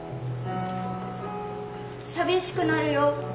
「寂しくなるよ千尋。